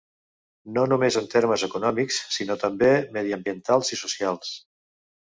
No només en termes econòmics sinó també mediambientals i socials.